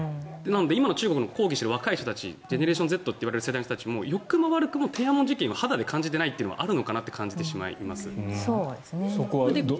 今の中国の抗議している若い人たちジェネレーションＺといわれる世代の人たちもよくも悪くも天安門事件を肌で感じてないのはあるのかなと感じます。